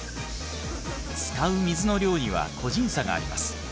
使う水の量には個人差があります。